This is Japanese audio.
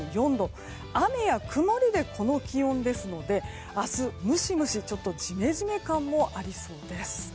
雨や曇りでこの気温ですので明日、ムシムシジメジメ感もありそうです。